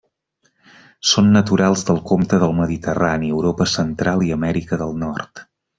Són naturals del compte del Mediterrani, Europa central i Amèrica del Nord.